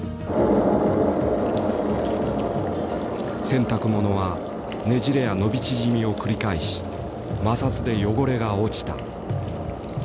洗濯物はねじれや伸び縮みを繰り返し摩擦で汚れが落ちた。